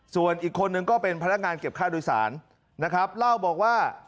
ส่วนอีกคนนึงก็เป็นพนักงานเก็บค่าโดยสารนะครับเล่าบอกว่า